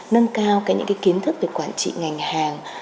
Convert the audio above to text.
nâng cao những kiến thức về quản trị ngành hàng